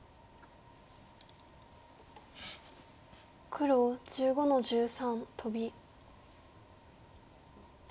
黒１５の十三トビ。